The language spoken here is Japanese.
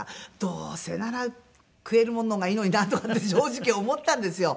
どうせなら食えるもんの方がいいのになとかって正直思ってたんですよ。